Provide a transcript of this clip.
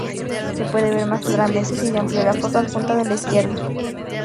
Se puede ver más claramente si se amplia la foto adjunta de la izquierda.